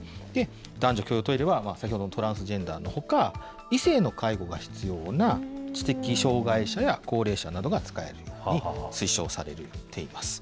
男女共用トイレは先ほどのトランスジェンダーのほか、異性の介護が必要な知的障害者や高齢者などが使えるように推奨されています。